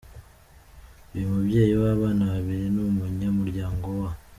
Uyu mubyeyi w’abana babiri ni umunyamuryango wa